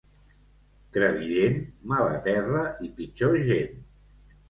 Crevillent, mala terra i pitjor gent.